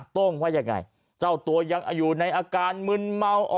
โต้งว่ายังไงเจ้าตัวยังอยู่ในอาการมึนเมา